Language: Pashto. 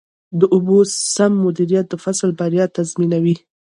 د اوبو سم مدیریت د فصل بریا تضمینوي.